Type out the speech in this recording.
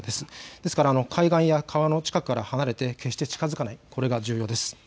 ですから海岸や川の近くから離れて近づかない、これが重要です。